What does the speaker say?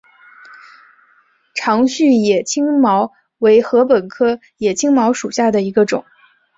长序野青茅为禾本科野青茅属下的一个种。